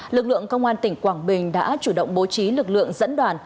lực lượng công an tỉnh quảng bình đã chủ động bố trí lực lượng dẫn đoàn